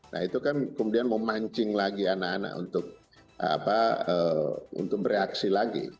nah itu kan kemudian memancing lagi anak anak untuk bereaksi lagi